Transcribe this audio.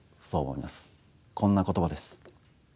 こんな言葉です。